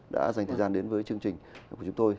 đã dành thời gian đến với chương trình của chúng tôi